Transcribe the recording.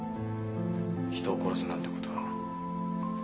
人を殺すなんて事。